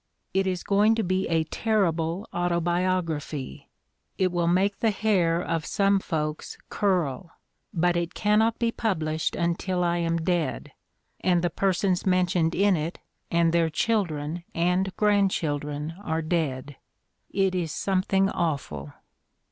It is going to be a terrible autobiography. It will make the hair of some folks curl. But it cannot be pub lished until I am dead, and the persons mentioned in it and their children and grandchildren are dead. It is something awful."